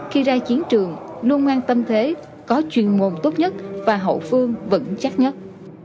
khi ra chiến trường luôn mang tâm thế có chuyên môn tốt nhất và hậu phương vững chắc nhất